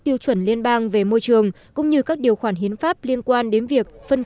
tiêu chuẩn liên bang về môi trường cũng như các điều khoản hiến pháp liên quan đến việc phân